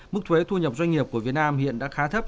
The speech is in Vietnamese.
mức thuế thu nhập doanh nghiệp của việt nam hiện đã khá thấp